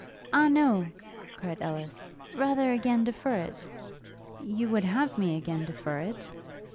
'Ah, no!' cried Ellis, 'rather again defer it.' 'You would have me again defer it?'